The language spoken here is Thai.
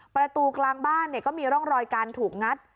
ประตูกลางบ้านก็มีร่องรอยการถูกงัด